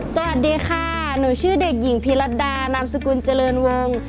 สวัสดีค่ะหนูชื่อเด็กหญิงพีรัตดานามสกุลเจริญวงศ์